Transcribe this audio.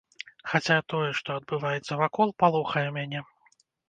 Хаця тое, што адбываецца вакол, палохае мяне.